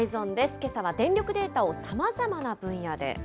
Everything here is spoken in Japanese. けさは電力データをさまざまな分